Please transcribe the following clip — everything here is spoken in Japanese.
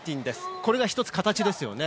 これが１つ形ですよね。